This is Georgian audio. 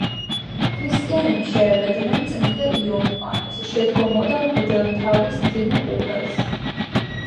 ქრისტიანები შეევედრნენ წმინდა იოანეს, შესდგომოდა მღვდელმთავრის მძიმე უღელს.